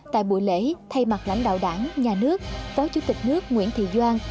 tại buổi lễ thay mặt lãnh đạo đảng nhà nước phó chủ tịch nước nguyễn thị doan